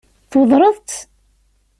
Tweddṛeḍ-tt?